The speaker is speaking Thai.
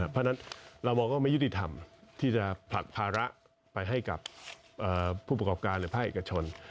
เพราะฉะนั้นเรามองว่าไม่ยุติธรรมที่จะผลักภาระไปให้กับผู้ประกอบการหรือภาคเอกชน